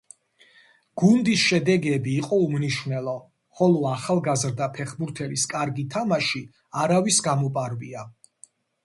გუნდის შედეგები იყო უმნიშვნელო, ხოლო ახალგაზრდა ფეხბურთელის კარგი თამაში არავის გამოპარვია.